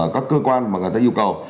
các cơ quan mà người ta yêu cầu